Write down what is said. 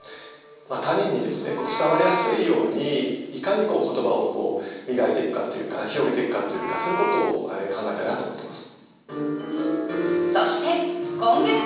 他人に伝わりやすいようにいかに言葉を磨いていくかというか広げていくかというかそういうことを考えたいなと思ってます。